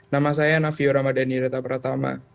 nama saya navio ramadhani reta pratama